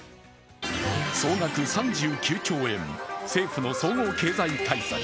総額３９兆円、政府の総合経済対策